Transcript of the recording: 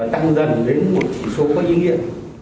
tăng dần đến một chỉ số có ý nghĩa